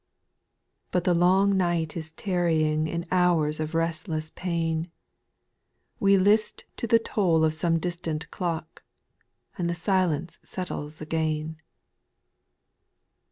5. Bufr the long night is tarrying In hours of restless pain, — We list to the toll of some distant clock, And the silence settles again.